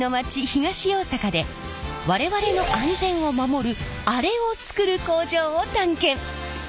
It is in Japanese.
東大阪で我々の安全を守るアレを作る工場を探検！